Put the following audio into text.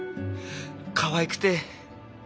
かわいくて。